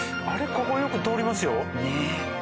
ここよく通りますよ。